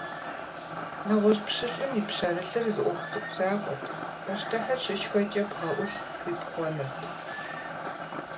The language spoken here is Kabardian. НэгъуэщӀ пщылӏым и пщэрылъыр зы Ӏуэху цӀыкӀу закъуэт - пащтыхьыр щышхэкӀэ бгъэӀулъ Ӏуипхъуэнырт.